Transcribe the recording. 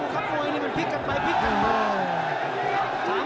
ครับมวยนี่มันพลิกกันไปพลิกกันมา